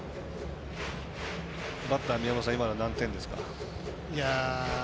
バッター、今の宮本さん、何点ですか？